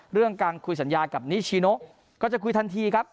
เรื่องการคุยสัญญากับนิชิโนก็จะคุยทันทีครับ